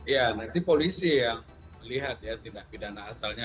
ya nanti polisi yang melihat ya tindak pidana asalnya